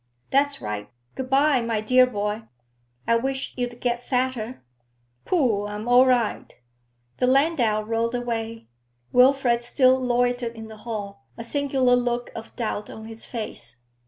'That's right. Good bye, my dear boy. I wish you'd get fatter.' 'Pooh, I'm all right.' The landau rolled away. Wilfrid still loitered in the hall, a singular look of doubt on his face.